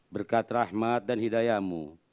berkat rahmat dan hidayah mu